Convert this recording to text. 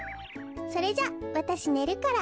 それじゃわたしねるから。